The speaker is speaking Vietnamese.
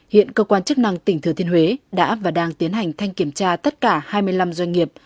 hiện cơ quan chức năng tỉnh thừa thiên huế đã và đang tiến hành thanh kiểm tra tất cả hai mươi năm doanh nghiệp